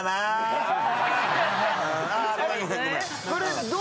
あごめんごめんごめん。